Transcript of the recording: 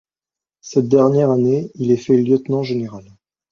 Cette dernière année, il est fait lieutenant général.